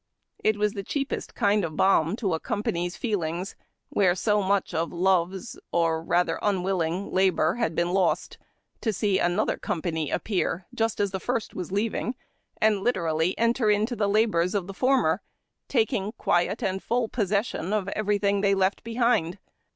It was the cheapest kind of balm to a company's feelings, wdiere so much of love's — or rather nnivilling — labor had been lost, to see another company appear, just as the first was leaving, and literally enter into the labors of tlie former, taking quiet and full possession of everything left behind.